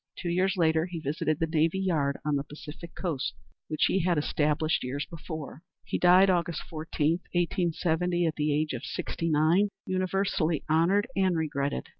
Two years later he visited the navy yard on the Pacific Coast, which he had established years before. He died Aug. 14, 1870, at the age of sixty nine, universally honored and regretted.